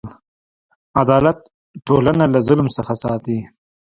عدالت ټولنه له ظلم څخه ساتي.